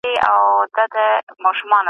مرګ له ټولو بدبختیو څخه خلاصون دی.